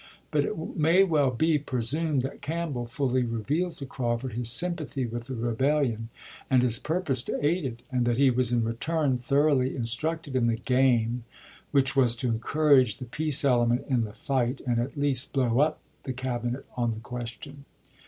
But it may well be pre sumed that Campbell fully revealed to Crawford his sympathy with the rebellion and his purpose to aid it, and that he was in return thoroughly in structed in the game, which was " to encourage the peace element in the fight, and at least blow up the Cabinet on the question."